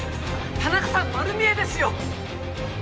田中さん丸見えですよ！